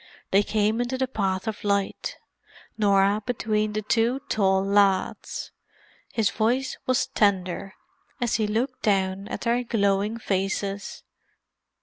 They came into the path of light; Norah between the two tall lads. His voice was tender as he looked down at their glowing faces.